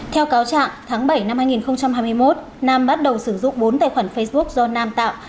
theo cáo trạng tháng bảy năm hai nghìn hai mươi một nam bắt đầu sử dụng bốn tài khoản facebook do nam tạo